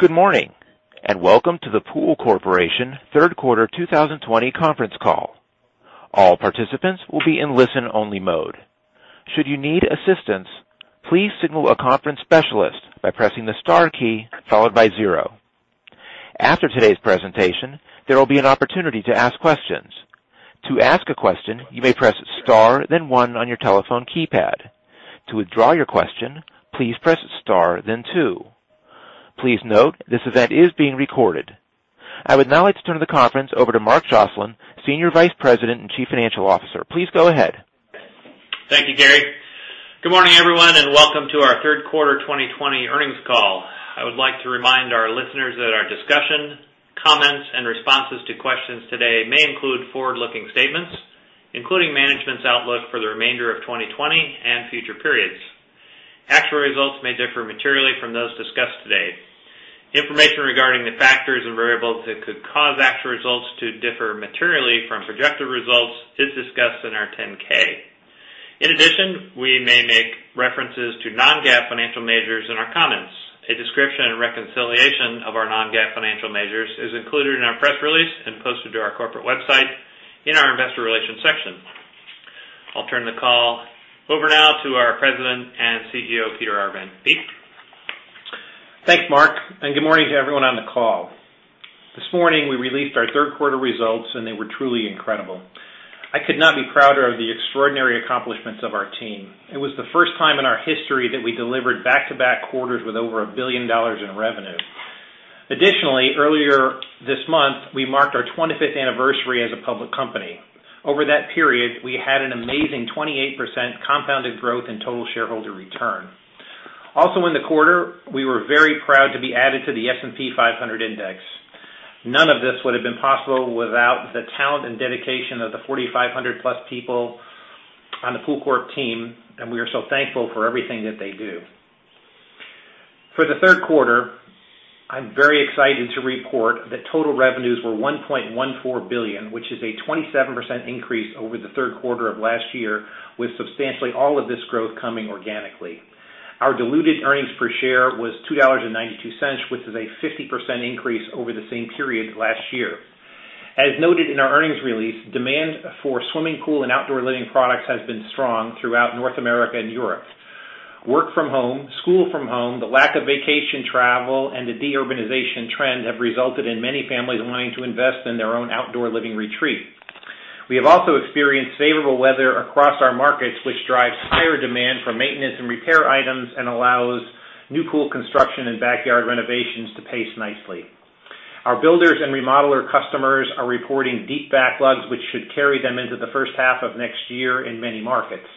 Good morning, and welcome to the Pool Corporation third quarter 2020 conference call. All participants will be in listen-only mode. Should you need assistance, please signal a conference specialist by pressing the star key followed by zero. After today's presentation, there will be an opportunity to ask questions. To ask a question, you may press star, then one on your telephone keypad. To withdraw your question, please press star, then two. Please note this event is being recorded. I would now like to turn the conference over to Mark Joslin, Senior Vice President and Chief Financial Officer. Please go ahead. Thank you, Gary. Good morning, everyone. Welcome to our third quarter 2020 earnings call. I would like to remind our listeners that our discussion, comments, and responses to questions today may include forward-looking statements, including management's outlook for the remainder of 2020 and future periods. Actual results may differ materially from those discussed today. Information regarding the factors and variables that could cause actual results to differ materially from projected results is discussed in our 10-K. We may make references to non-GAAP financial measures in our comments. A description and reconciliation of our non-GAAP financial measures is included in our press release and posted to our corporate website in our investor relations section. I'll turn the call over now to our President and CEO, Peter Arvan. Thanks, Mark, and good morning to everyone on the call. This morning, we released our third quarter results, and they were truly incredible. I could not be prouder of the extraordinary accomplishments of our team. It was the first time in our history that we delivered back-to-back quarters with over $1 billion in revenue. Additionally, earlier this month, we marked our 25th anniversary as a public company. Over that period, we had an amazing 28% compounded growth in total shareholder return. Also in the quarter, we were very proud to be added to the S&P 500 index. None of this would've been possible without the talent and dedication of the 4,500+ people on the PoolCorp team, and we are so thankful for everything that they do. For the third quarter, I'm very excited to report that total revenues were $1.14 billion, which is a 27% increase over the third quarter of last year, with substantially all of this growth coming organically. Our diluted earnings per share was $2.92, which is a 50% increase over the same period last year. As noted in our earnings release, demand for swimming pool and outdoor living products has been strong throughout North America and Europe. Work from home, school from home, the lack of vacation travel, and the de-urbanization trend have resulted in many families wanting to invest in their own outdoor living retreat. We have also experienced favorable weather across our markets, which drives higher demand for maintenance and repair items and allows new pool construction and backyard renovations to pace nicely. Our builders and remodeler customers are reporting deep backlogs, which should carry them into the first half of next year in many markets.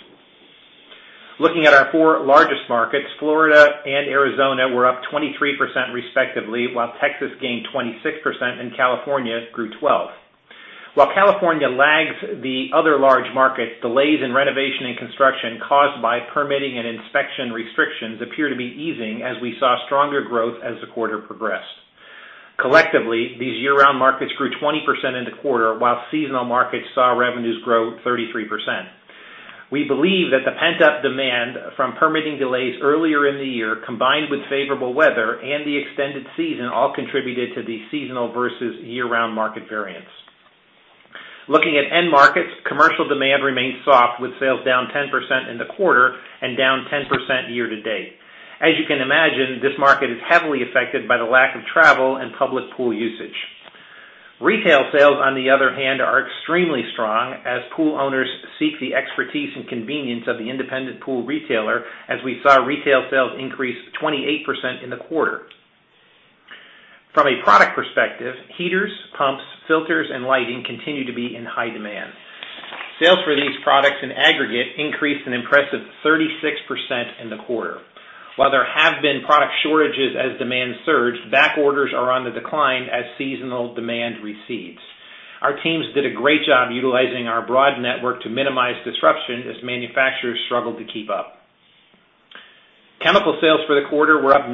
Looking at our four largest markets, Florida and Arizona were up 23% respectively, while Texas gained 26% and California grew 12%. While California lags the other large markets, delays in renovation and construction caused by permitting and inspection restrictions appear to be easing as we saw stronger growth as the quarter progressed. Collectively, these year-round markets grew 20% in the quarter, while seasonal markets saw revenues grow 33%. We believe that the pent-up demand from permitting delays earlier in the year, combined with favorable weather and the extended season, all contributed to the seasonal versus year-round market variance. Looking at end markets, commercial demand remains soft, with sales down 10% in the quarter and down 10% year-to-date. As you can imagine, this market is heavily affected by the lack of travel and public pool usage. Retail sales, on the other hand, are extremely strong as pool owners seek the expertise and convenience of the independent pool retailer, as we saw retail sales increase 28% in the quarter. From a product perspective, heaters, pumps, filters, and lighting continue to be in high demand. Sales for these products in aggregate increased an impressive 36% in the quarter. While there have been product shortages as demand surged, back orders are on the decline as seasonal demand recedes. Our teams did a great job utilizing our broad network to minimize disruption as manufacturers struggled to keep up. Chemical sales for the quarter were up 9%.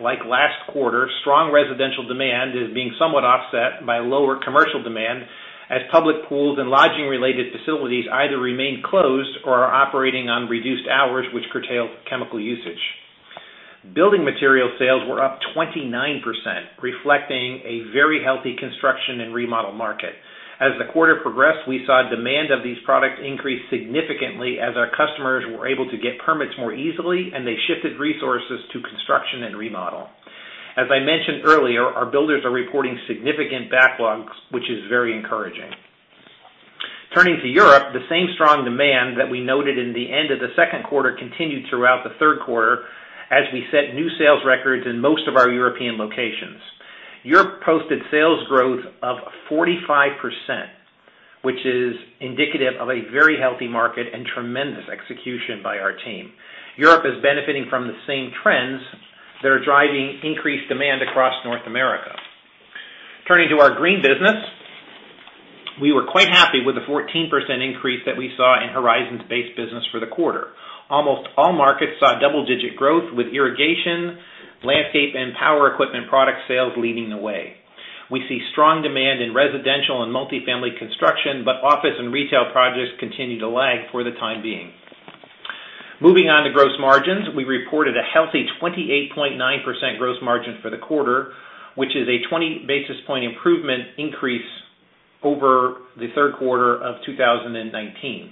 Like last quarter, strong residential demand is being somewhat offset by lower commercial demand as public pools and lodging-related facilities either remain closed or are operating on reduced hours, which curtail chemical usage. Building material sales were up 29%, reflecting a very healthy construction and remodel market. As the quarter progressed, we saw demand of these products increase significantly as our customers were able to get permits more easily and they shifted resources to construction and remodel. As I mentioned earlier, our builders are reporting significant backlogs, which is very encouraging. Turning to Europe, the same strong demand that we noted in the end of the second quarter continued throughout the third quarter as we set new sales records in most of our European locations. Europe posted sales growth of 45%, which is indicative of a very healthy market and tremendous execution by our team. Europe is benefiting from the same trends that are driving increased demand across North America. Turning to our green business, we were quite happy with the 14% increase that we saw in Horizon's base business for the quarter. Almost all markets saw double-digit growth with irrigation, landscape, and power equipment product sales leading the way. We see strong demand in residential and multifamily construction. Office and retail projects continue to lag for the time being. Moving on to gross margins. We reported a healthy 28.9% gross margin for the quarter, which is a 20-basis-point improvement increase over the third quarter of 2019.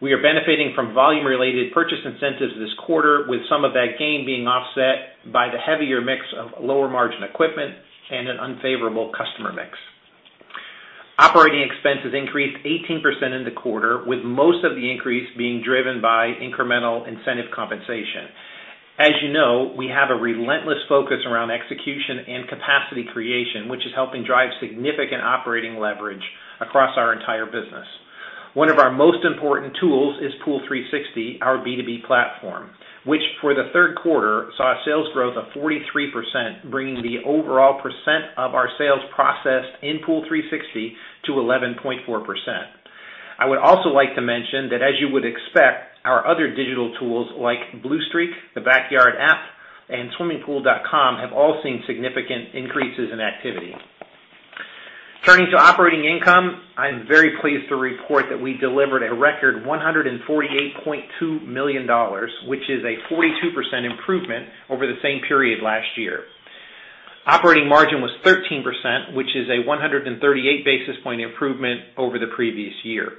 We are benefiting from volume-related purchase incentives this quarter, with some of that gain being offset by the heavier mix of lower-margin equipment and an unfavorable customer mix. Operating expenses increased 18% in the quarter, with most of the increase being driven by incremental incentive compensation. As you know, we have a relentless focus around execution and capacity creation, which is helping drive significant operating leverage across our entire business. One of our most important tools is Pool360, our B2B platform, which for the third quarter saw a sales growth of 43%, bringing the overall % of our sales processed in Pool360 to 11.4%. I would also like to mention that as you would expect, our other digital tools like Bluestreak, the Backyard App, and swimmingpool.com, have all seen significant increases in activity. Turning to operating income, I am very pleased to report that we delivered a record $148.2 million, which is a 42% improvement over the same period last year. Operating margin was 13%, which is a 138-basis-point improvement over the previous year.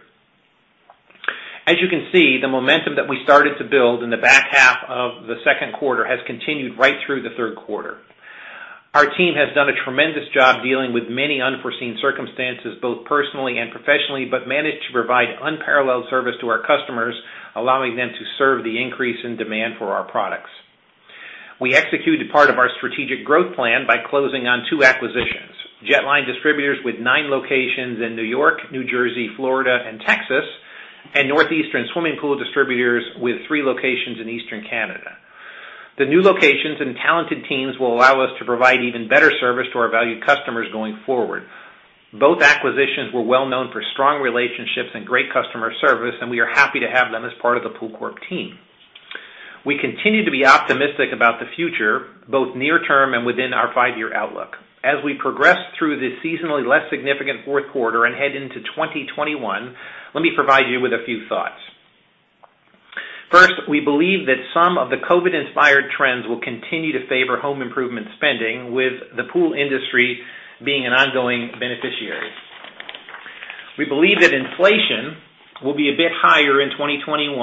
As you can see, the momentum that we started to build in the back half of the second quarter has continued right through the third quarter. Our team has done a tremendous job dealing with many unforeseen circumstances, both personally and professionally, but managed to provide unparalleled service to our customers, allowing them to serve the increase in demand for our products. We executed part of our strategic growth plan by closing on two acquisitions, Jet Line Distributors with nine locations in New York, New Jersey, Florida, and Texas, and Northeastern Swimming Pool Distributors with three locations in Eastern Canada. The new locations and talented teams will allow us to provide even better service to our valued customers going forward. Both acquisitions were well-known for strong relationships and great customer service, and we are happy to have them as part of the PoolCorp team. We continue to be optimistic about the future, both near-term and within our five-year outlook. As we progress through the seasonally less significant fourth quarter and head into 2021, let me provide you with a few thoughts. First, we believe that some of the COVID-inspired trends will continue to favor home improvement spending, with the Pool Corporation industry being an ongoing beneficiary. We believe that inflation will be a bit higher in 2021,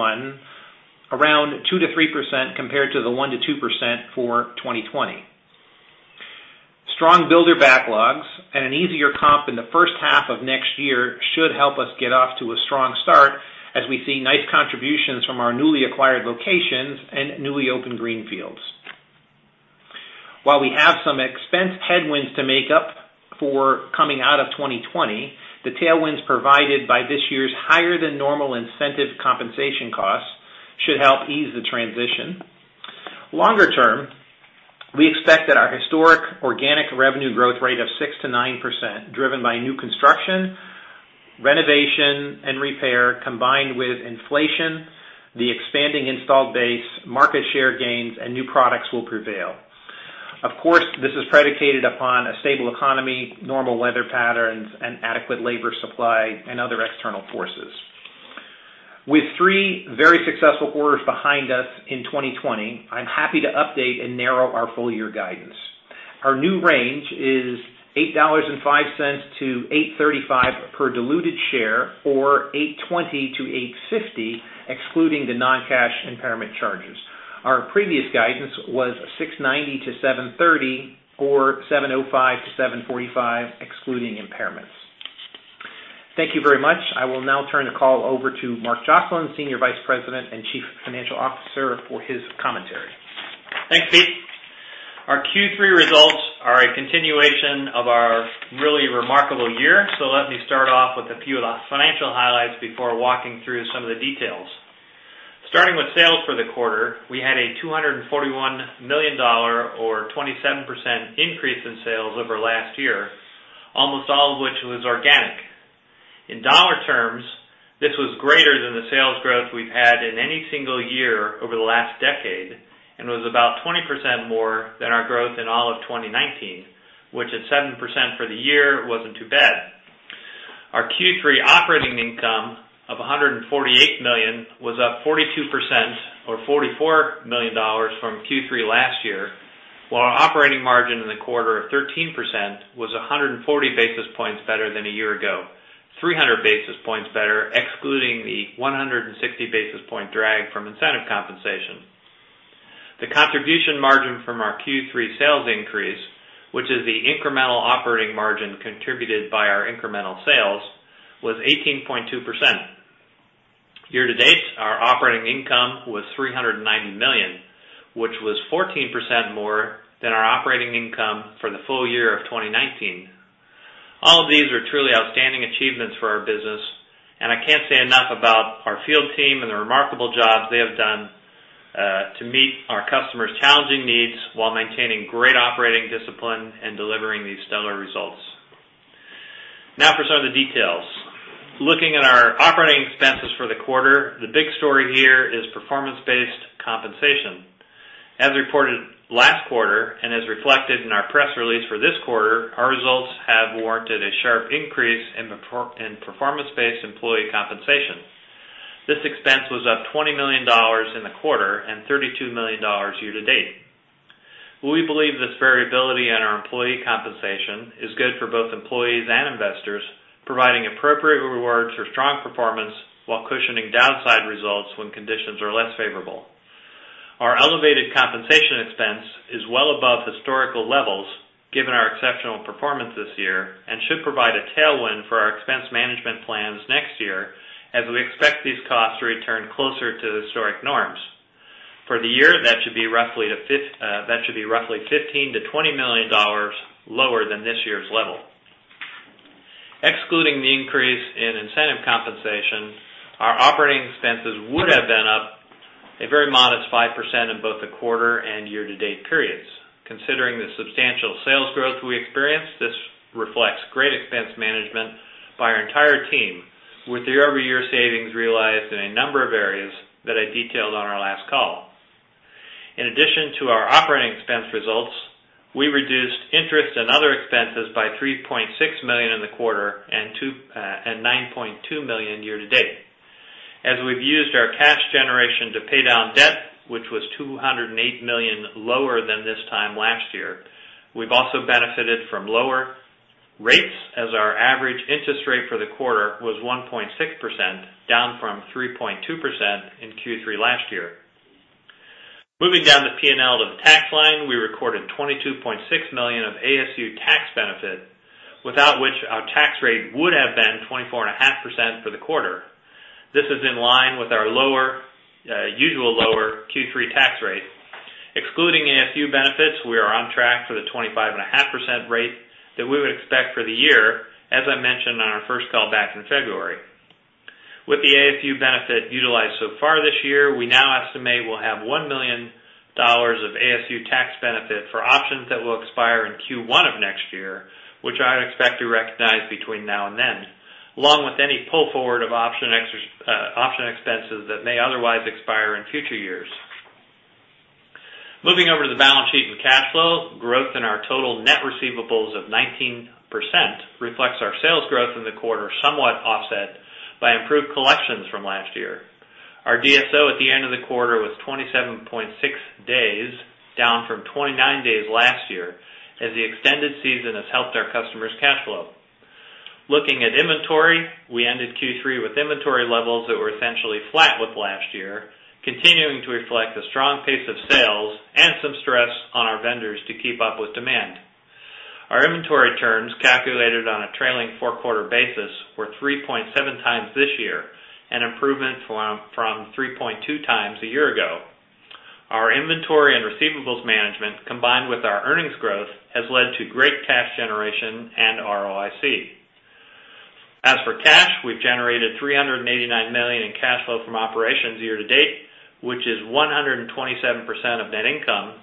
around 2%-3%, compared to the 1%-2% for 2020. Strong builder backlogs and an easier comp in the first half of next year should help us get off to a strong start as we see nice contributions from our newly acquired locations and newly opened greenfields. While we have some expense headwinds to make up for coming out of 2020, the tailwinds provided by this year's higher than normal incentive compensation costs should help ease the transition. Longer term, we expect that our historic organic revenue growth rate of 6%-9%, driven by new construction, renovation, and repair, combined with inflation, the expanding installed base, market share gains, and new products will prevail. Of course, this is predicated upon a stable economy, normal weather patterns, and adequate labor supply and other external forces. With three very successful quarters behind us in 2020, I'm happy to update and narrow our full-year guidance. Our new range is $8.05-$8.35 per diluted share, or $8.20-$8.50, excluding the non-cash impairment charges. Our previous guidance was $6.90-$7.30, or $7.05-$7.45, excluding impairments. Thank you very much. I will now turn the call over to Mark Joslin, Senior Vice President and Chief Financial Officer, for his commentary. Thanks, Pete. Our Q3 results are a continuation of our really remarkable year. Let me start off with a few of the financial highlights before walking through some of the details. Starting with sales for the quarter, we had a $241 million, or 27% increase in sales over last year, almost all of which was organic. In dollar terms, this was greater than the sales growth we've had in any single year over the last decade, and was about 20% more than our growth in all of 2019, which at 7% for the year, wasn't too bad. Our Q3 operating income of $148 million was up 42%, or $44 million from Q3 last year, while our operating margin in the quarter of 13% was 140 basis points better than a year ago, 300 basis points better excluding the 160-basis-point drag from incentive compensation. The contribution margin from our Q3 sales increase, which is the incremental operating margin contributed by our incremental sales, was 18.2%. Year-to-date, our operating income was $390 million, which was 14% more than our operating income for the full year of 2019. All of these are truly outstanding achievements for our business, and I can't say enough about our field team and the remarkable jobs they have done to meet our customers' challenging needs while maintaining great operating discipline and delivering these stellar results. Now for some of the details. Looking at our operating expenses for the quarter, the big story here is performance-based compensation. As reported last quarter and as reflected in our press release for this quarter, our results have warranted a sharp increase in performance-based employee compensation. This expense was up $20 million in the quarter and $32 million year-to-date. We believe this variability in our employee compensation is good for both employees and investors, providing appropriate rewards for strong performance, while cushioning downside results when conditions are less favorable. Our elevated compensation expense is well above historical levels, given our exceptional performance this year, and should provide a tailwind for our expense management plans next year, as we expect these costs to return closer to historic norms. For the year, that should be roughly $15 million-$20 million lower than this year's level. Excluding the increase in incentive compensation, our operating expenses would have been up a very modest 5% in both the quarter and year-to-date periods. Considering the substantial sales growth we experienced, this reflects great expense management by our entire team, with year-over-year savings realized in a number of areas that I detailed on our last call. In addition to our operating expense results, we reduced interest and other expenses by $3.6 million in the quarter and $9.2 million year-to-date. As we've used our cash generation to pay down debt, which was $208 million lower than this time last year, we've also benefited from lower rates, as our average interest rate for the quarter was 1.6%, down from 3.2% in Q3 last year. Moving down the P&L to the tax line, we recorded $22.6 million of ASU tax benefit, without which our tax rate would have been 24.5% for the quarter. This is in line with our usual lower Q3 tax rate. Excluding ASU benefits, we are on track for the 25.5% rate that we would expect for the year, as I mentioned on our first call back in February. With the ASU benefit utilized so far this year, we now estimate we'll have $1 million of ASU tax benefit for options that will expire in Q1 of next year, which I would expect to recognize between now and then, along with any pull forward of option expenses that may otherwise expire in future years. Moving over to the balance sheet and cash flow, growth in our total net receivables of 19% reflects our sales growth in the quarter, somewhat offset by improved collections from last year. Our DSO at the end of the quarter was 27.6 days, down from 29 days last year, as the extended season has helped our customers' cash flow. Looking at inventory, we ended Q3 with inventory levels that were essentially flat with last year, continuing to reflect the strong pace of sales and some stress on our vendors to keep up with demand. Our inventory turns, calculated on a trailing four-quarter basis, were 3.7x this year, an improvement from 3.2x a year ago. Our inventory and receivables management, combined with our earnings growth, has led to great cash generation and ROIC. As for cash, we've generated $389 million in cash flow from operations year-to-date, which is 127% of net income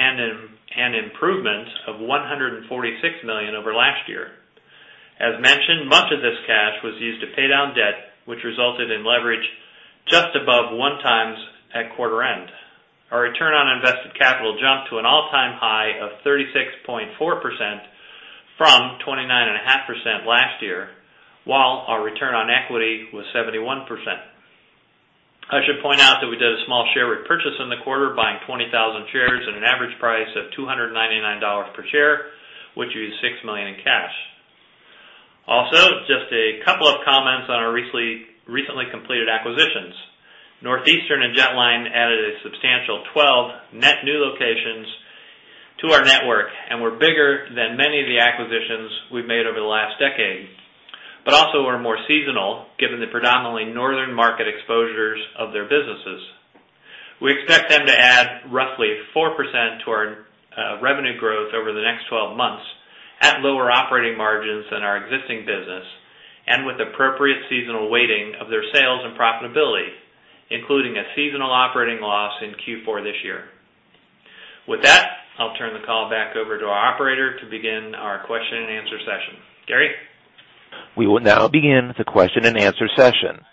and an improvement of $146 million over last year. As mentioned, much of this cash was used to pay down debt, which resulted in leverage just above one times at quarter end. Our return on invested capital jumped to an all-time high of 36.4% from 29.5% last year, while our return on equity was 71%. I should point out that we did a small share repurchase in the quarter, buying 20,000 shares at an average price of $299 per share, which used $6 million in cash. Just a couple of comments on our recently completed acquisitions. Northeastern and Jet Line added a substantial 12 net new locations to our network and were bigger than many of the acquisitions we've made over the last decade. Also are more seasonal, given the predominantly northern market exposures of their businesses. We expect them to add roughly 4% to our revenue growth over the next 12 months at lower operating margins than our existing business, and with appropriate seasonal weighting of their sales and profitability, including a seasonal operating loss in Q4 this year. With that, I'll turn the call back over to our operator to begin our question and answer session. Gary? We will now begin the question and answer session.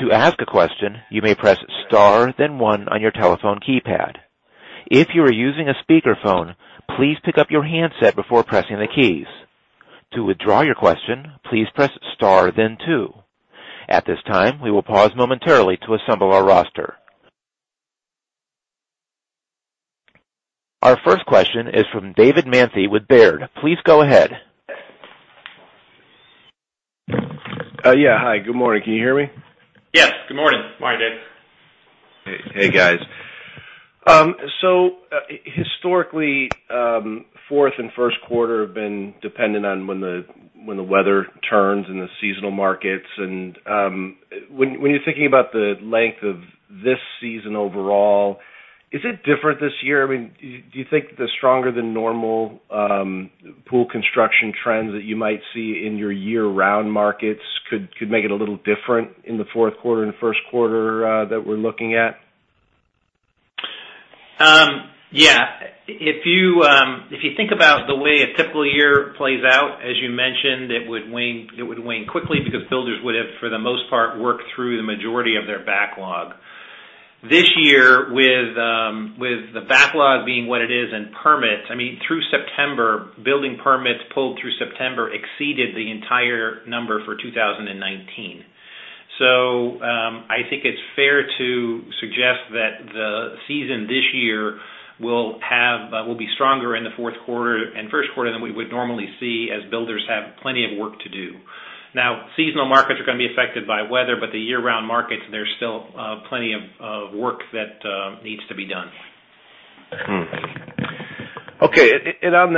To ask a question, you may press star, then one on your telephone keypad. If you are using a speakerphone, please pick up your handset before pressing the keys. To withdraw your question, please press star, then two. At this time, we will pause momentarily to assemble our roster. Our first question is from David Manthey with Baird. Please go ahead. Yes. Good morning. Morning, Dave. Hey, guys. Historically, fourth and first quarter have been dependent on when the weather turns in the seasonal markets. When you're thinking about the length of this season overall, is it different this year? Do you think that the stronger than normal pool construction trends that you might see in your year-round markets could make it a little different in the fourth quarter and first quarter that we're looking at? If you think about the way a typical year plays out, as you mentioned, it would wane quickly because builders would have, for the most part, worked through the majority of their backlog. This year, with the backlogs being what it is in permits, through September, building permits pulled through September exceeded the entire number for 2019. I think it's fair to suggest that the season this year will be stronger in the fourth quarter and first quarter than we would normally see, as builders have plenty of work to do. Seasonal markets are going to be affected by weather, but the year-round markets, there's still plenty of work that needs to be done. Okay. On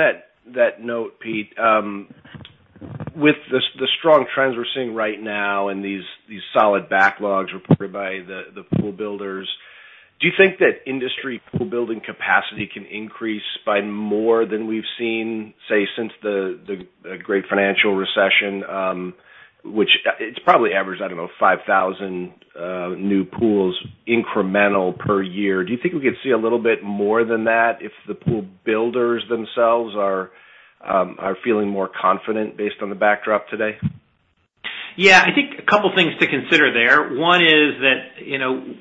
that note, Pete, with the strong trends we're seeing right now and these solid backlogs reported by the pool builders, do you think that industry pool-building capacity can increase by more than we've seen, say, since the great financial recession, which it probably averages, I don't know, 5,000 new pools incremental per year. Do you think we could see a little bit more than that if the pool builders themselves are feeling more confident based on the backdrop today? Yeah. I think a couple things to consider there. One is that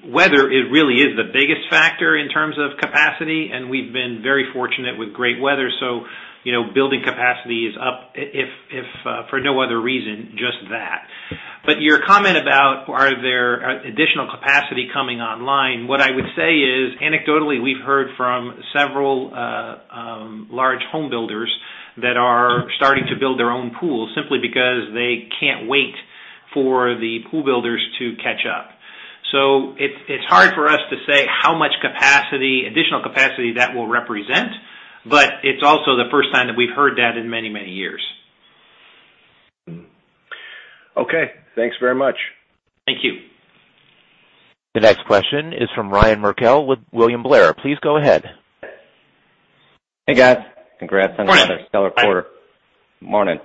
weather really is the biggest factor in terms of capacity. We've been very fortunate with great weather. Building capacity is up, if for no other reason, just that. Your comment about, are there additional capacity coming online, what I would say is, anecdotally, we've heard from several large home builders that are starting to build their own pools simply because they can't wait for the pool builders to catch up. It's hard for us to say how much additional capacity that will represent. It's also the first time that we've heard that in many years. Okay. Thanks very much. Thank you. The next question is from Ryan Merkel with William Blair. Please go ahead. Hey, guys. Morning On another stellar quarter. Morning.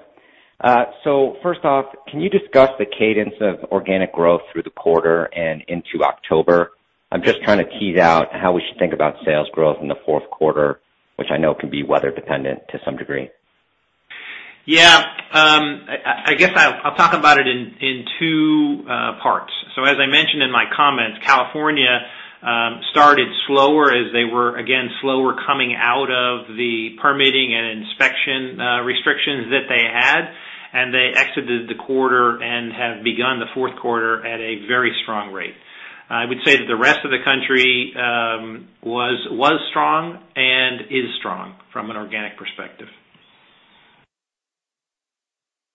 First off, can you discuss the cadence of organic growth through the quarter and into October? I'm just trying to tease out how we should think about sales growth in the fourth quarter, which I know can be weather dependent to some degree. Yeah. I guess I'll talk about it in two parts. As I mentioned in my comments, California started slower as they were, again, slower coming out of the permitting and inspection restrictions that they had, and they exited the quarter and have begun the fourth quarter at a very strong rate. I would say that the rest of the country was strong and is strong from an organic perspective.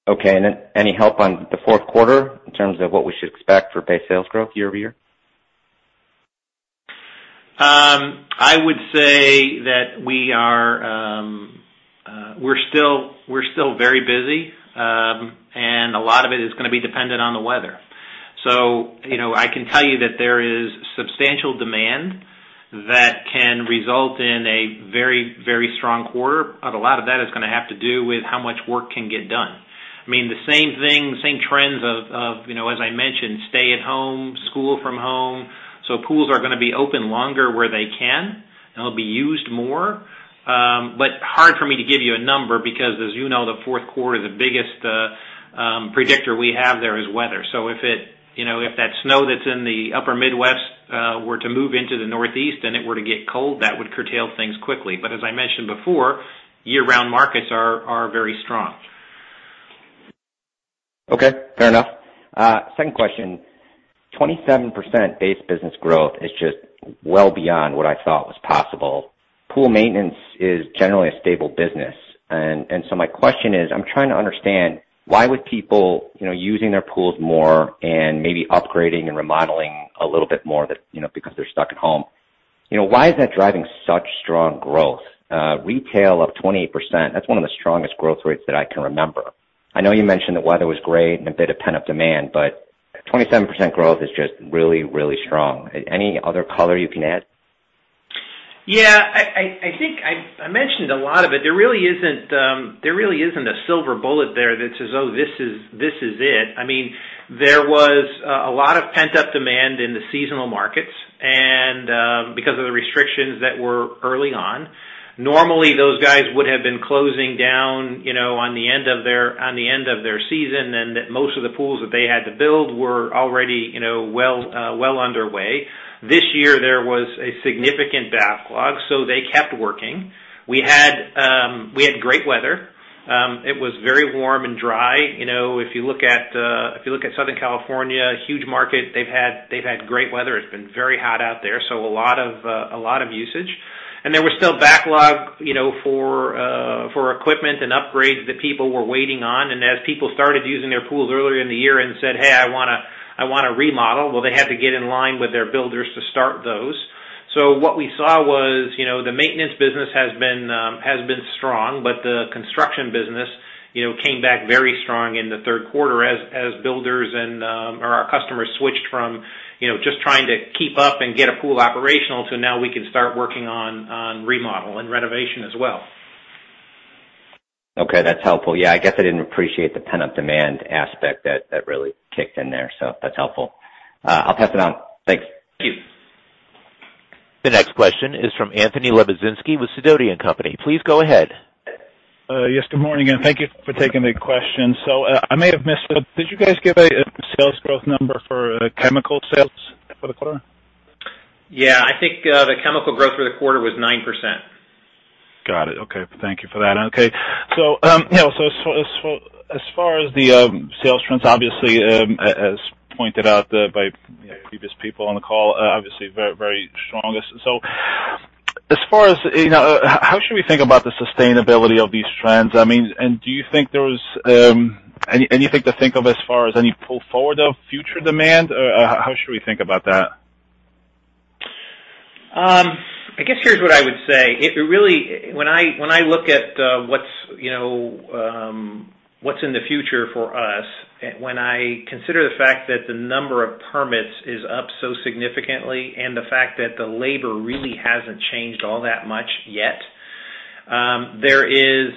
Okay, any help on the fourth quarter in terms of what we should expect for base sales growth year-over-year? I would say that we're still very busy. A lot of it is going to be dependent on the weather. I can tell you that there is substantial demand that can result in a very strong quarter, but a lot of that is going to have to do with how much work can get done. The same thing, the same trends of, as I mentioned, stay-at-home, school from home. Pools are going to be open longer where they can, and they'll be used more. Hard for me to give you a number because as you know, the fourth quarter, the biggest predictor we have there is weather. If that snow that's in the upper Midwest were to move into the Northeast and it were to get cold, that would curtail things quickly. As I mentioned before, year-round markets are very strong. Okay, fair enough. Second question, 27% base business growth is just well beyond what I thought was possible. Pool maintenance is generally a stable business. My question is, I'm trying to understand, why would people using their pools more and maybe upgrading and remodeling a little bit more because they're stuck at home, why is that driving such strong growth? Retail up 28%, that's one of the strongest growth rates that I can remember. I know you mentioned the weather was great and a bit of pent-up demand, 27% growth is just really strong. Any other color you can add? Yeah, I think I mentioned a lot of it. There really isn't a silver bullet there that says, "Oh, this is it." There was a lot of pent-up demand in the seasonal markets and because of the restrictions that were early on. Normally, those guys would have been closing down on the end of their season, and most of the pools that they had to build were already well underway. This year, there was a significant backlog, so they kept working. We had great weather. It was very warm and dry. If you look at Southern California, huge market, they've had great weather. It's been very hot out there, so a lot of usage. There was still backlog for equipment and upgrades that people were waiting on. As people started using their pools earlier in the year and said, "Hey, I want to remodel," well, they had to get in line with their builders to start those. What we saw was, the maintenance business has been strong, but the construction business came back very strong in the third quarter as builders and our customers switched from just trying to keep up and get a pool operational to now we can start working on remodel and renovation as well. Okay. That's helpful. Yeah, I guess I didn't appreciate the pent-up demand aspect that really kicked in there, so that's helpful. I'll pass it on. Thank you. Thank you. The next question is from Anthony Lebiedzinski with Sidoti & Company. Please go ahead. Yes. Good morning, and thank you for taking the question. I may have missed it. Did you guys give a sales growth number for chemical sales for the quarter? Yeah. I think the chemical growth for the quarter was 9%. Got it. Okay. Thank you for that. Okay. As far as the sales trends, obviously, as pointed out by previous people on the call, obviously very strongest. How should we think about the sustainability of these trends? Do you think there was anything to think of as far as any pull forward of future demand? How should we think about that? I guess here's what I would say. When I look at what's in the future for us, when I consider the fact that the number of permits is up so significantly, the fact that the labor really hasn't changed all that much yet, there is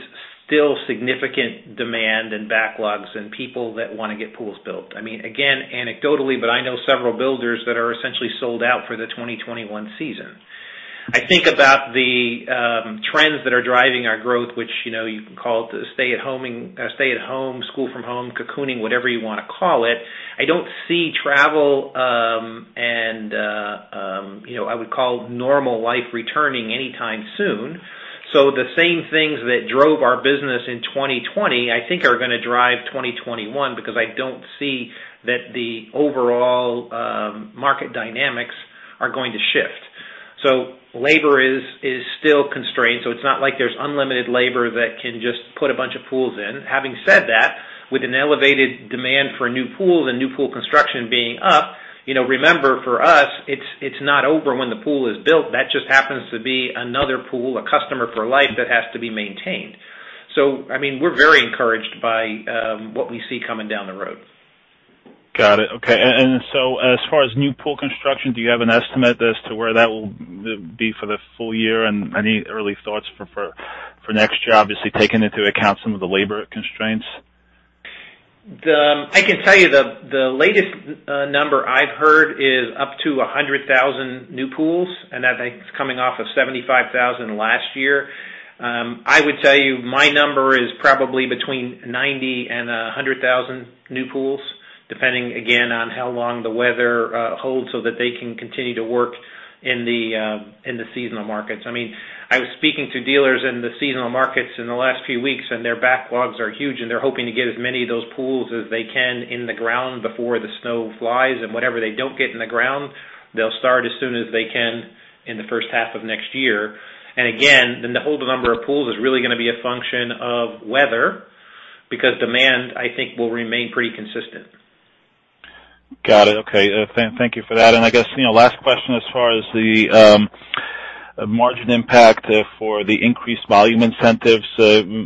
still significant demand and backlogs and people that want to get pools built. Again, anecdotally, I know several builders that are essentially sold out for the 2021 season. I think about the trends that are driving our growth, which you can call the stay at home, school from home, cocooning, whatever you want to call it. I don't see travel, I would call normal life returning anytime soon. The same things that drove our business in 2020, I think are going to drive 2021, because I don't see that the overall market dynamics are going to shift. Labor is still constrained. It's not like there's unlimited labor that can just put a bunch of pools in. Having said that, with an elevated demand for new pools and new pool construction being up, remember, for us, it's not over when the pool is built. That just happens to be another pool, a customer for life that has to be maintained. We're very encouraged by what we see coming down the road. Got it. Okay. As far as new pool construction, do you have an estimate as to where that will be for the full year and any early thoughts for next year, obviously taking into account some of the labor constraints? I can tell you the latest number I've heard is up to 100,000 new pools, and that is coming off of 75,000 last year. I would tell you my number is probably between 90,000 and 100,000 new pools, depending, again, on how long the weather holds so that they can continue to work in the seasonal markets. I was speaking to dealers in the seasonal markets in the last few weeks, and their backlogs are huge, and they're hoping to get as many of those pools as they can in the ground before the snow flies. Whatever they don't get in the ground, they'll start as soon as they can in the first half of next year. Again, then the whole number of pools is really going to be a function of weather, because demand, I think, will remain pretty consistent. Got it. Okay. Thank you for that. I guess last question as far as the margin impact for the increased volume incentives.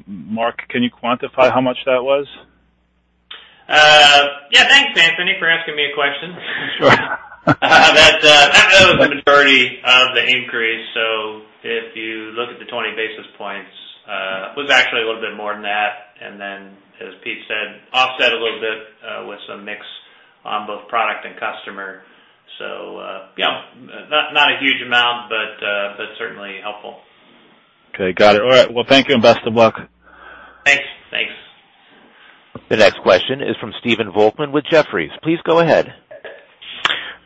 Mark, can you quantify how much that was? Yeah. Thanks, Anthony, for asking me a question. Sure. That was the majority of the increase. If you look at the 20 basis points, it was actually a little bit more than that, and then as Pete said, offset a little bit with some mix on both product and customer. Yeah, not a huge amount, but certainly helpful. Okay. Got it. All right. Well, thank you and best of luck. Thanks. The next question is from Stephen Volkmann with Jefferies. Please go ahead.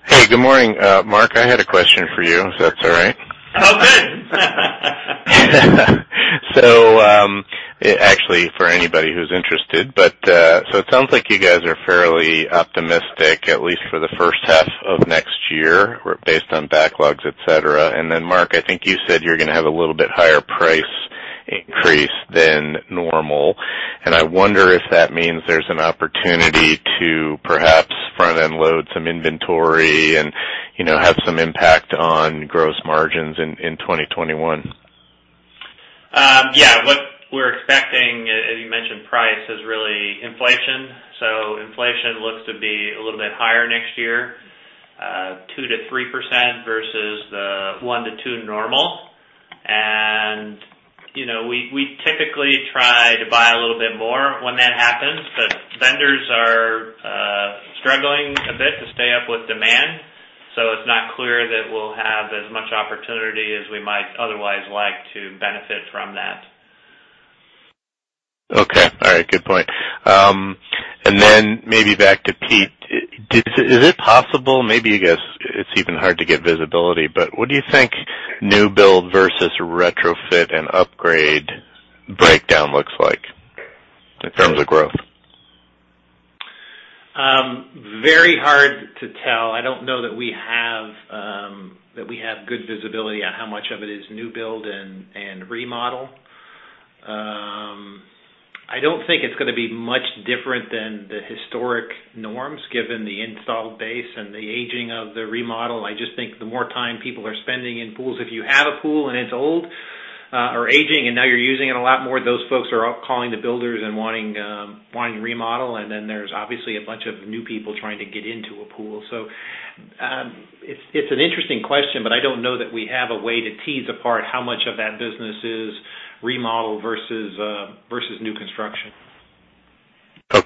Hey, good morning. Mark, I had a question for you, if that's all right. Oh, good. Actually for anybody who's interested. It sounds like you guys are fairly optimistic, at least for the first half of next year based on backlogs, et cetera. Then Mark, I think you said you're going to have a little bit higher price increase than normal, and I wonder if that means there's an opportunity to perhaps front-end load some inventory and have some impact on gross margins in 2021? Yeah. What we're expecting, as you mentioned, price is really inflation. Inflation looks to be a little bit higher next year, 2%-3% versus the 1%-2% normal. We typically try to buy a little bit more when that happens. Vendors are struggling a bit to stay up with demand, so it's not clear that we'll have as much opportunity as we might otherwise like to benefit from that. Okay. All right. Good point. Then maybe back to Pete. Is it possible, maybe, I guess it's even hard to get visibility, but what do you think new build versus retrofit and upgrade breakdown looks like in terms of growth? Very hard to tell. I don't know that we have good visibility on how much of it is new build and remodel. I don't think it's going to be much different than the historic norms, given the install base and the aging of the remodel. I just think the more time people are spending in pools, if you have a pool and it's old or aging and now you're using it a lot more, those folks are calling the builders and wanting to remodel, and then there's obviously a bunch of new people trying to get into a pool. It's an interesting question, but I don't know that we have a way to tease apart how much of that business is remodel versus new construction. All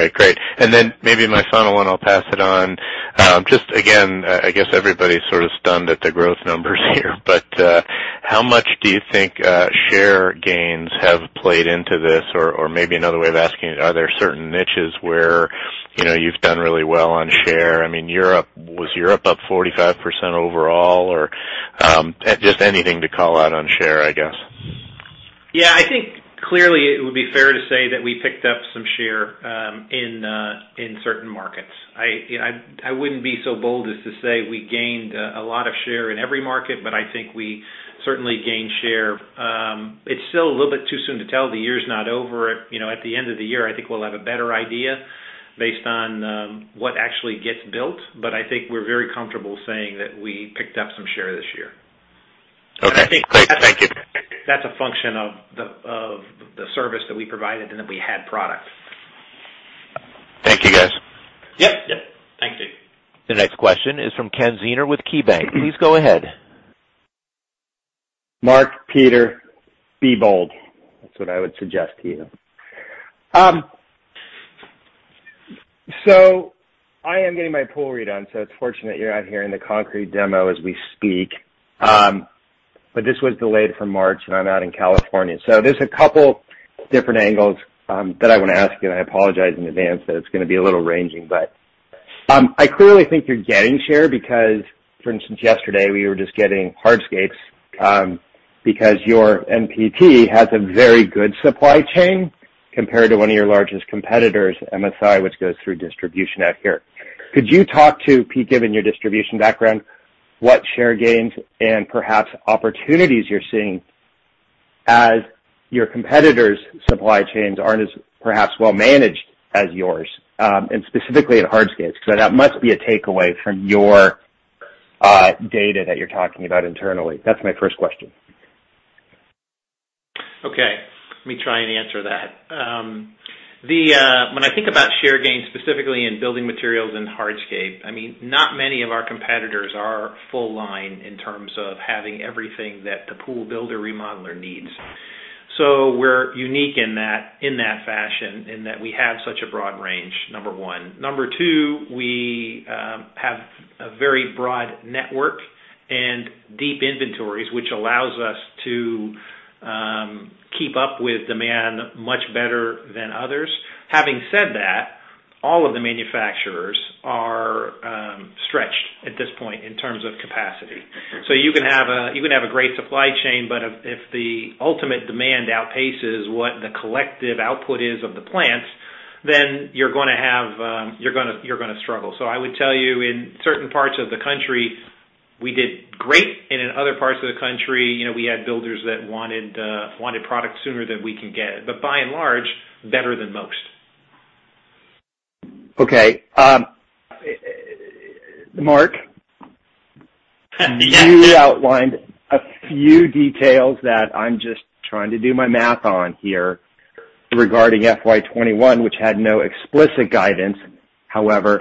right, great. Then maybe my final one, I'll pass it on. Just again, I guess everybody's sort of stunned at the growth numbers here, but how much do you think share gains have played into this? Maybe another way of asking it, are there certain niches where you've done really well on share? Was Europe up 45% overall? Just anything to call out on share, I guess. Yeah, I think clearly it would be fair to say that we picked up some share in certain markets. I wouldn't be so bold as to say we gained a lot of share in every market, but I think we certainly gained share. It's still a little bit too soon to tell. The year's not over. At the end of the year, I think we'll have a better idea based on what actually gets built. I think we're very comfortable saying that we picked up some share this year. Okay, great. Thank you. That's a function of the service that we provided and that we had product. Thank you, guys. Yep. Thank you. The next question is from Ken Zener with KeyBanc Capital Markets. Please go ahead. Mark, Peter, be bold. That's what I would suggest to you. I am getting my pool redone, so it's fortunate you're out here in the concrete demo as we speak. This was delayed from March, and I'm out in California. There's a couple different angles that I want to ask you, and I apologize in advance that it's going to be a little ranging. I clearly think you're getting share because, for instance, yesterday, we were just getting hardscapes, because your NPT has a very good supply chain compared to one of your largest competitors, MSI, which goes through distribution out here. Could you talk to, Pete, given your distribution background, what share gains and perhaps opportunities you're seeing as your competitors' supply chains aren't as perhaps well managed as yours, and specifically in hardscapes? That must be a takeaway from your data that you're talking about internally. That's my first question. Okay. Let me try and answer that. When I think about share gains, specifically in building materials and hardscape, not many of our competitors are full line in terms of having everything that the pool builder remodeler needs. We're unique in that fashion, in that we have such a broad range, number one. Number two, we have a very broad network and deep inventories, which allows us to keep up with demand much better than others. Having said that, all of the manufacturers are stretched at this point in terms of capacity. You can have a great supply chain, but if the ultimate demand outpaces what the collective output is of the plants, then you're going to struggle. I would tell you, in certain parts of the country, we did great, and in other parts of the country, we had builders that wanted product sooner than we can get it. By and large, better than most. Okay. Yes you outlined a few details that I'm just trying to do my math on here regarding FY 2021, which had no explicit guidance. However,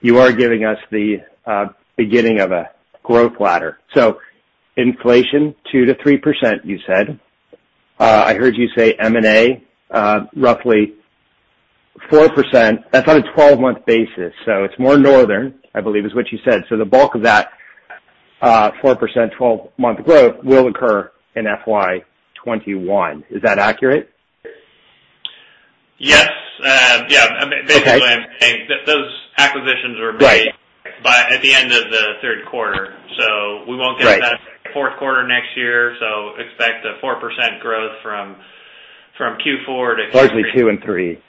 you are giving us the beginning of a growth ladder. Inflation 2%-3%, you said. I heard you say M&A, roughly 4%. That's on a 12-month basis. It's more northern, I believe is what you said. The bulk of that 4% 12-month growth will occur in FY 2021. Is that accurate? Yes. Basically, I'm saying those acquisitions were made- Right at the end of the third quarter. We won't get that fourth quarter next year. Expect a 4% growth from Q4 to Q3. Largely two and three.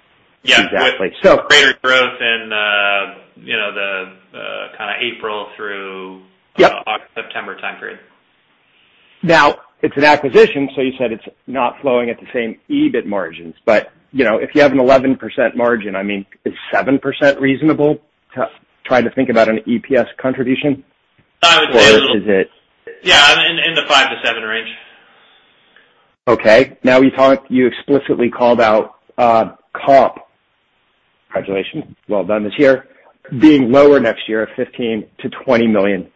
Yeah. Exactly. Greater growth in the April through August, September time period. It's an acquisition, you said it's not flowing at the same EBIT margins. If you have an 11% margin, is 7% reasonable? Trying to think about an EPS contribution. I would say a little- Is it? Yeah, in the 5%-7% range. Okay. Now, you explicitly called out comp. Congratulations. Well done this year. Being lower next year of $15 million-$20 million,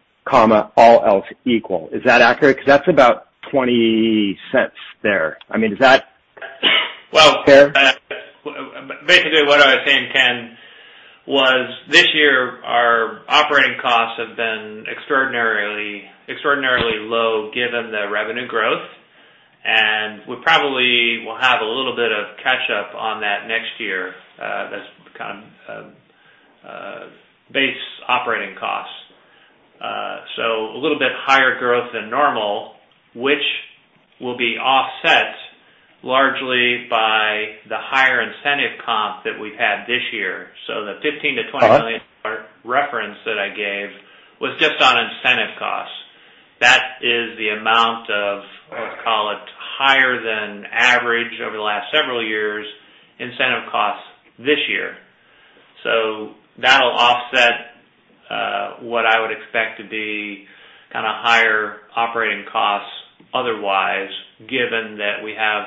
all else equal. Is that accurate? Because that's about $0.20 there. Is that fair? Well, basically what I was saying, Ken, was this year, our operating costs have been extraordinarily low given the revenue growth, and we probably will have a little bit of catch up on that next year. That's become base operating costs. A little bit higher growth than normal, which will be offset largely by the higher incentive comp that we've had this year. The $15 million-$20 million reference that I gave was just on incentive costs. That is the amount of, let's call it, higher than average over the last several years, incentive costs this year. That'll offset what I would expect to be higher operating costs otherwise, given that we have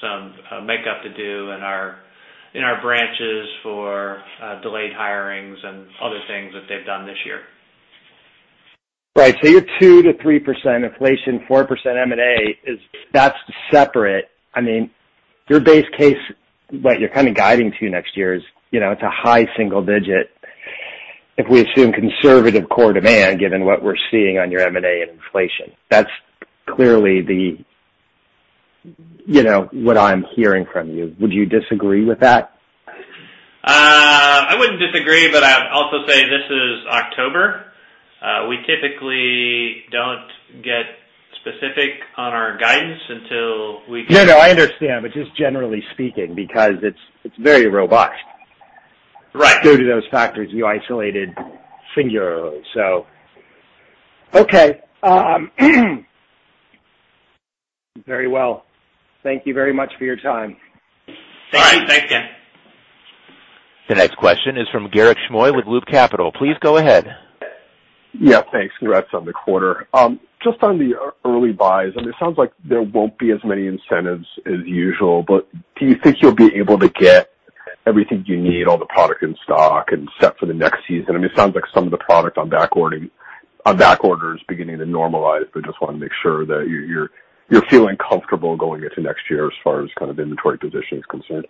some makeup to do in our branches for delayed hirings and other things that they've done this year. Right. Your 2%-3% inflation, 4% M&A, that's separate. Your base case, what you're kind of guiding to next year, it's a high single digit. If we assume conservative core demand, given what we're seeing on your M&A and inflation. That's clearly what I'm hearing from you. Would you disagree with that? I wouldn't disagree, but I'd also say this is October. We typically don't get specific on our guidance. No, I understand, but just generally speaking, because it's very robust. Right. Due to those factors you isolated singularly. Okay. Very well. Thank you very much for your time. All right. Thank you. The next question is from Garik Shmois with Loop Capital. Please go ahead. Yeah, thanks. Congrats on the quarter. Just on the early buys, it sounds like there won't be as many incentives as usual, but do you think you'll be able to get everything you need, all the product in stock and set for the next season? It sounds like some of the product on backorder is beginning to normalize, but just want to make sure that you're feeling comfortable going into next year as far as kind of inventory position is concerned.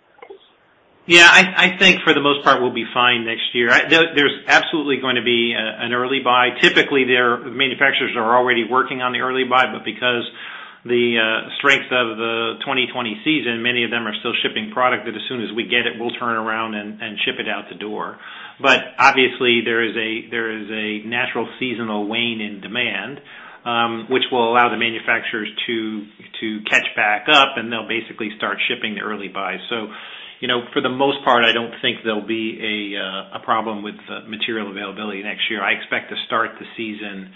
Yeah, I think for the most part, we'll be fine next year. There's absolutely going to be an early buy. Typically, the manufacturers are already working on the early buy, but because the strength of the 2020 season, many of them are still shipping product that as soon as we get it, we'll turn around and ship it out the door. Obviously, there is a natural seasonal wane in demand, which will allow the manufacturers to catch back up, and they'll basically start shipping the early buys. For the most part, I don't think there'll be a problem with material availability next year. I expect to start the season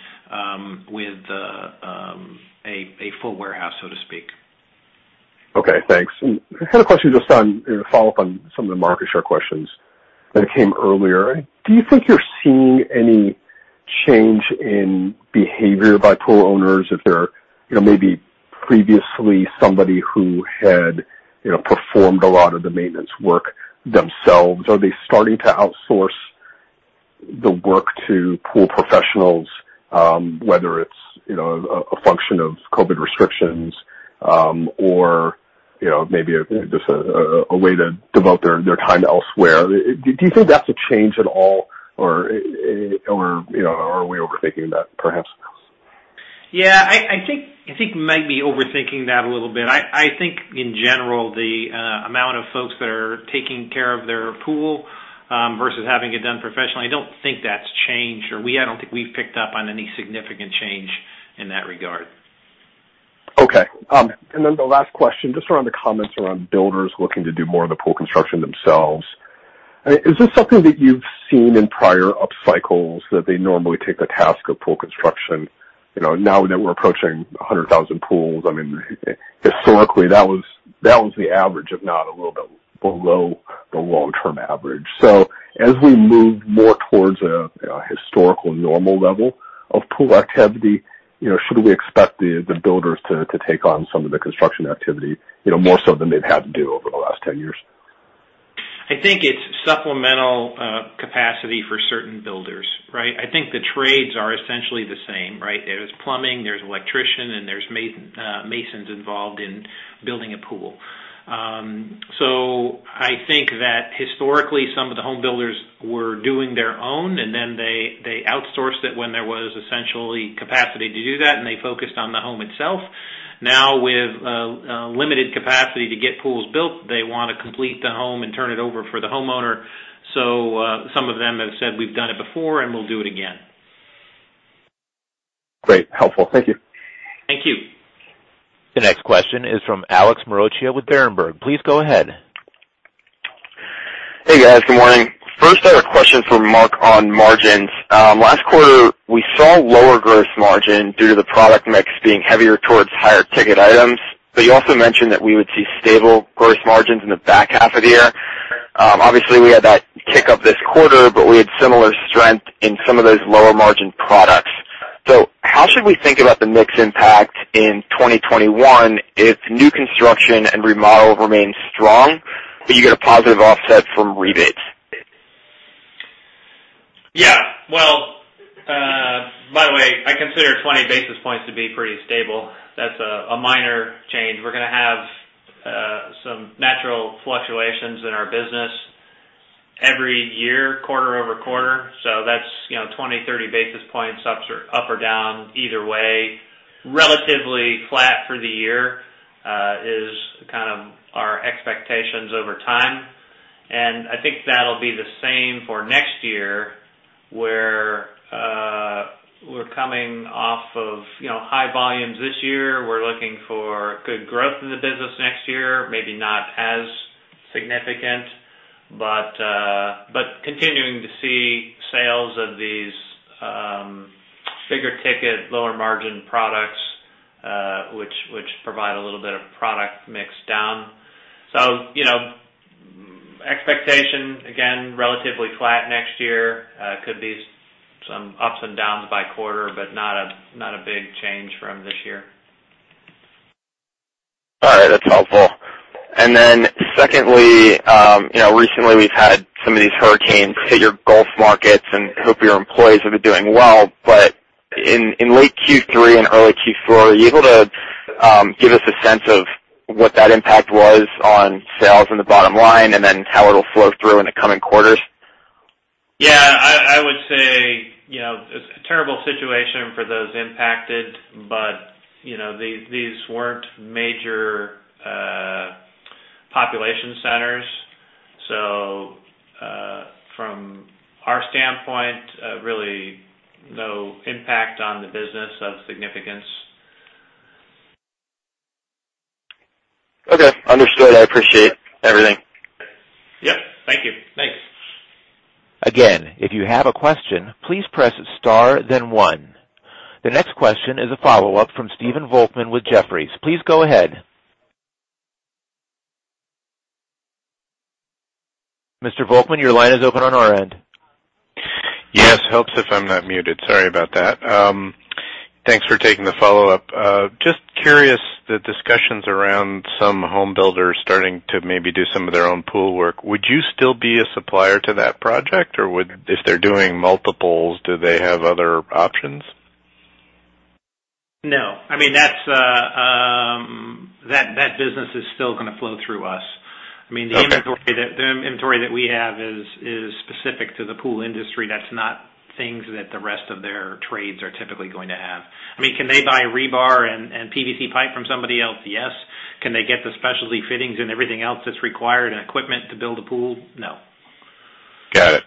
with a full warehouse, so to speak. Okay, thanks. I had a question just on follow-up on some of the market share questions that came earlier. Do you think you're seeing any change in behavior by pool owners if they're maybe previously somebody who had performed a lot of the maintenance work themselves? Are they starting to outsource the work to pool professionals? Whether it's a function of COVID restrictions, or maybe just a way to devote their time elsewhere. Do you think that's a change at all, or are we overthinking that, perhaps? Yeah, I think you might be overthinking that a little bit. I think in general, the amount of folks that are taking care of their pool, versus having it done professionally, I don't think that's changed, or I don't think we've picked up on any significant change in that regard. Okay. The last question, just around the comments around builders looking to do more of the pool construction themselves. Is this something that you've seen in prior up cycles, that they normally take the task of pool construction? Now that we're approaching 100,000 pools, historically, that was the average, if not a little bit below the long-term average. As we move more towards a historical normal level of pool activity, should we expect the builders to take on some of the construction activity, more so than they've had to do over the last 10 years? I think it's supplemental capacity for certain builders, right? I think the trades are essentially the same, right? There's plumbing, there's electrician, and there's masons involved in building a pool. I think that historically, some of the home builders were doing their own, and then they outsourced it when there was essentially capacity to do that, and they focused on the home itself. Now, with limited capacity to get pools built, they want to complete the home and turn it over for the homeowner. Some of them have said, "We've done it before, and we'll do it again. Great, helpful. Thank you. Thank you. The next question is from Alex Maroccia with Berenberg. Please go ahead. Hey, guys. Good morning. First, I have a question for Mark on margins. Last quarter, we saw lower gross margin due to the product mix being heavier towards higher ticket items. You also mentioned that we would see stable gross margins in the back half of the year. Obviously, we had that tick up this quarter, we had similar strength in some of those lower margin products. How should we think about the mix impact in 2021 if new construction and remodel remains strong, but you get a positive offset from rebates? Yeah. Well, by the way, I consider 20 basis points to be pretty stable. That's a minor change. We're going to have some natural fluctuations in our business every year, quarter-over-quarter. That's 20, 30 basis points up or down either way. Relatively flat for the year, is kind of our expectations over time. I think that'll be the same for next year, where we're coming off of high volumes this year. We're looking for good growth in the business next year, maybe not as significant, but continuing to see sales of these bigger ticket, lower margin products, which provide a little bit of product mix down. Expectation, again, relatively flat next year. Could be some ups and downs by quarter, but not a big change from this year. That's helpful. Secondly, recently we've had some of these hurricanes hit your Gulf markets, and hope your employees have been doing well. In late Q3 and early Q4, are you able to give us a sense of what that impact was on sales and the bottom line, and then how it'll flow through in the coming quarters? Yeah. I would say, it's a terrible situation for those impacted, but these weren't major population centers. From our standpoint, really no impact on the business of significance. Okay. Understood. I appreciate everything. Yep. Thank you. Thanks. Again, if you have a question, please press star then one. The next question is a follow-up from Stephen Volkmann with Jefferies. Please go ahead. Mr. Volkmann, your line is open on our end. Yes. Helps if I'm not muted. Sorry about that. Thanks for taking the follow-up. Just curious, the discussions around some home builders starting to maybe do some of their own pool work. Would you still be a supplier to that project? If they're doing multiples, do they have other options? No. That business is still gonna flow through us. Okay. The inventory that we have is specific to the pool industry. That's not things that the rest of their trades are typically going to have. Can they buy rebar and PVC pipe from somebody else? Yes. Can they get the specialty fittings and everything else that's required, and equipment to build a pool? No. Got it.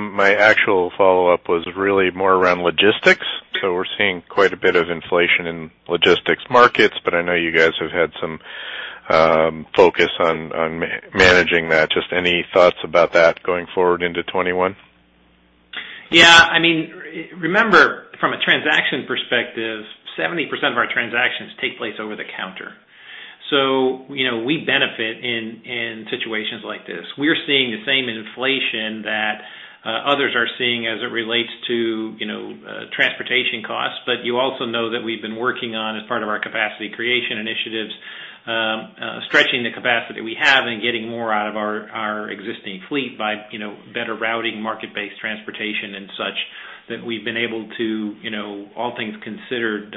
My actual follow-up was really more around logistics. We're seeing quite a bit of inflation in logistics markets, but I know you guys have had some focus on managing that. Just any thoughts about that going forward into 2021? Yeah. Remember, from a transaction perspective, 70% of our transactions take place over the counter, so we benefit in situations like this. We are seeing the same inflation that others are seeing as it relates to transportation costs. You also know that we've been working on, as part of our capacity creation initiatives, stretching the capacity we have and getting more out of our existing fleet by better routing market-based transportation and such, that we've been able to, all things considered,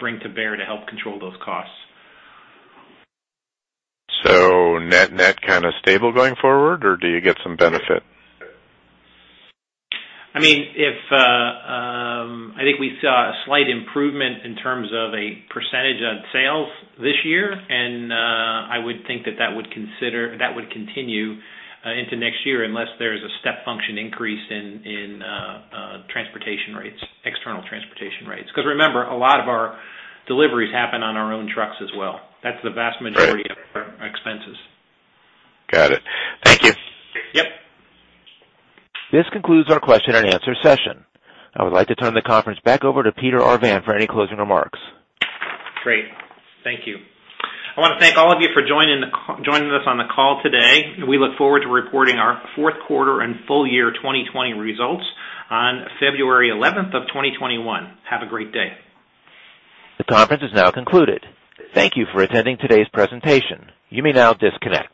bring to bear to help control those costs. Net kind of stable going forward, or do you get some benefit? I think we saw a slight improvement in terms of a percentage on sales this year, and I would think that that would continue into next year unless there's a step function increase in transportation rates, external transportation rates. Remember, a lot of our deliveries happen on our own trucks as well. Right of our expenses. Got it. Thank you. Yep. This concludes our question and answer session. I would like to turn the conference back over to Peter Arvan for any closing remarks. Great. Thank you. I want to thank all of you for joining us on the call today. We look forward to reporting our fourth quarter and full year 2020 results on February 11th of 2021. Have a great day. The conference is now concluded. Thank you for attending today's presentation. You may now disconnect.